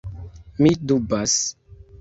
Mi dubas!